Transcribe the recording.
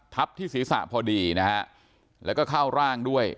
ทับที่ศีรษะพอดีนะฮะแล้วก็เข้าร่างด้วย